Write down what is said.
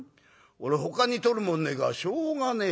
俺ほかに取るもんねえからしょうがねえ